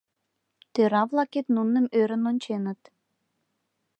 Тӧра-влакет Нунным ӧрын онченыт.